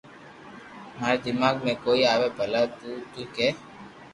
ماري دماغ ۾ ڪوئي آوي ڀلا تو تي ڪي